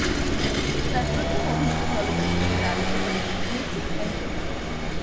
তার প্রথম অভিনীত চলচ্চিত্রটি নাম ছিল "মিসিং এঞ্জেলস"।